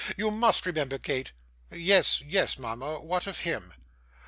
You must remember, Kate?' 'Yes, yes, mama; what of him?